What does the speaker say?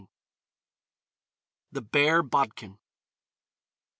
THE BARE BODKIN.